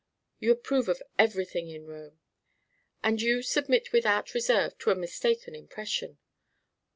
"You approve of everything in Rome." "And you submit without reserve to a mistaken impression."